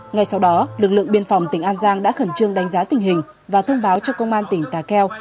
ngay sau đó lực lượng biên phòng tỉnh an giang đã khẩn trương đánh giá tình hình và thông báo cho công an tỉnh tà keo